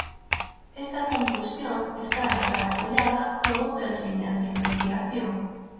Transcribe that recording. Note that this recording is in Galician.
Esta conclusión está a ser apoiada por outras liñas de investigación.